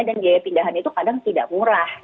dan biaya pindahan itu kadang tidak murah